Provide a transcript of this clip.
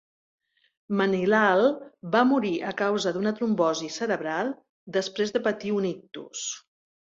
Manilal va morir a causa d'una trombosi cerebral després de patir un ictus.